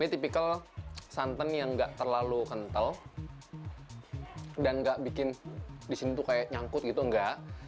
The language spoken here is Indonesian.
ini tipikal santan yang enggak terlalu kental dan enggak bikin disitu kayak nyangkut gitu enggak